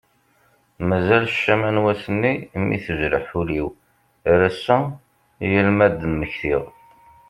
Mazal ccama n wass-nni mi tejreḥ ul-iw ar ass-a yal mi ad d-mmektiɣ.